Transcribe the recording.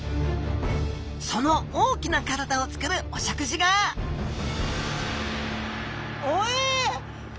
その大きな体をつくるお食事がおえ？